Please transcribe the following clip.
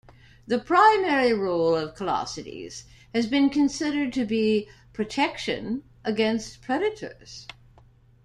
The primary role of callosities has been considered to be protection against predators.